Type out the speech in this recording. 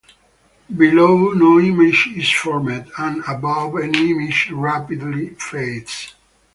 Below no image is formed, and above any image rapidly fades.